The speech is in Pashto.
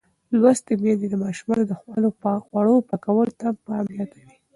لوستې میندې د ماشومانو د خوړو پاکولو ته پام زیاتوي.